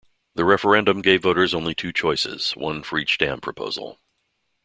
The referendum gave voters only two choices, one for each dam proposal.